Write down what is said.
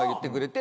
て